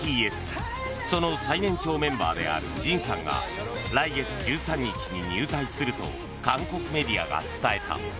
その最年長メンバーであるＪＩＮさんが来月１３日に入隊すると韓国メディアが伝えた。